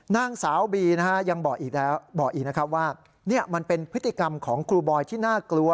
นางสาวบียังบอกอีกนะครับว่านี่มันเป็นพฤติกรรมของครูบอยที่น่ากลัว